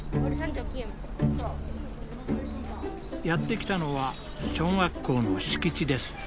やって来たのは小学校の敷地です。